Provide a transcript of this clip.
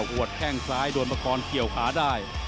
หัวแข้งซ้ายโดนประกอนเกี่ยวขาได้